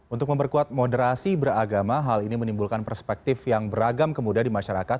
untuk memperkuat moderasi beragama hal ini menimbulkan perspektif yang beragam kemudah di masyarakat